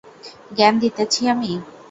জ্ঞান দিতেছি আমি?